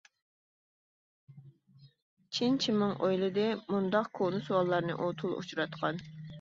چىن چىمىڭ ئويلىدى، مۇنداق كونا سوئاللارنى ئۇ تولا ئۇچراتقان.